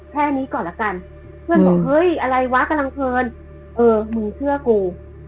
แค่นี้ก่อนละกันเฮ้ยอะไรวะกำลังเผินเออมึงเชื่อกู